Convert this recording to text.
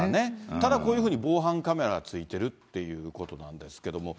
ただ、こういうふうに防犯カメラついてるっていうことなんですけども。